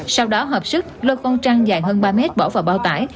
sau đó hợp sức lôi trăng dài hơn ba mét bỏ vào bao tải